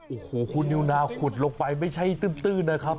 โอ้โหคุณนิวนาวขุดลงไปไม่ใช่ตื้นนะครับ